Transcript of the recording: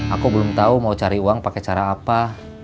aku belum tahu mau cari uang pakai cara apa